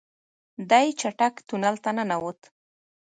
دی چټک تونل ته ننوت.